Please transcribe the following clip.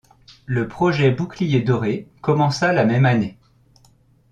Le projet Bouclier Doré commença la même année.